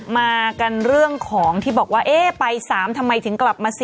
มากันเรื่องของที่บอกว่าเอ๊ะไป๓ทำไมถึงกลับมา๔